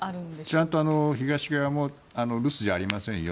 ちゃんと東側も留守じゃありませんよ